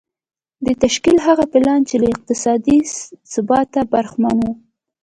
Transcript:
د دې تشکيل هغه پلان چې له اقتصادي ثباته برخمن و.